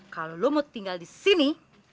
kalau lu mau tinggal di sini